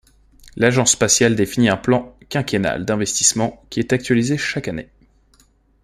L'agence spatiale définit un plan quinquennal d'investissement qui est actualisé chaque année.